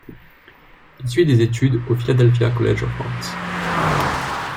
Il suit des études au Philadelphia College of Arts.